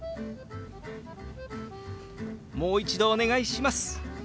「もう一度お願いします」。